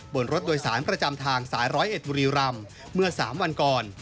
บนรถโดยสารประจำทางสายร้อยเอ็ดบุรีรำเมื่อ๓วันก่อน